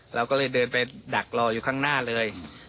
เราก็เลยเดินไปดักรออยู่ข้างหน้าเลย